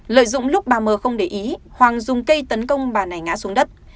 lợi dụng lúc bà m không để ý hoàng dùng cây tấn công bà này ngã xuống đất